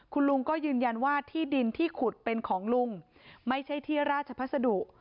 คุณลุงก็ยืนยันว่าที่ดินที่ขุดเป็นของลุงไม่ใช่ที่ราชพัสดุ